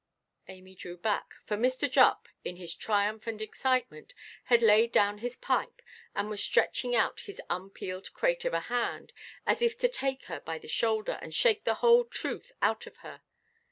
Amy drew back, for Mr. Jupp, in his triumph and excitement, had laid down his pipe, and was stretching out his unpeeled crate of a hand, as if to take her by the shoulder, and shake the whole truth out of her.